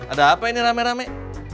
ada apa ini rame rame